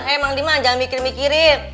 hei mang diman jangan mikir mikirin